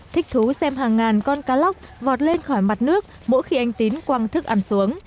thích thú xem hàng ngàn con cá lóc vọt lên khỏi mặt nước mỗi khi anh tín quăng thức ăn xuống